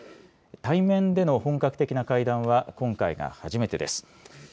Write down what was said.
対面での本格的な会談は今回が初めてです。